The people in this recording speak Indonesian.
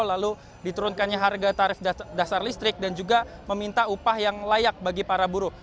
lalu diturunkannya harga tarif dasar listrik dan juga meminta upah yang layak bagi para buruh